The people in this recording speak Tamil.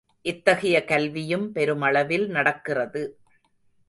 இத்தகைய கல்வியும் பெருமளவில் நடக்கிறது.